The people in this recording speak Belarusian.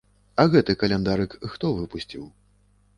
А гэты каляндарык хто выпусціў?